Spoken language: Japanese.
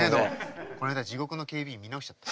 この間「地獄の警備員」見直しちゃった。